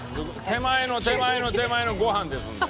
手前の手前の手前のごはんですので。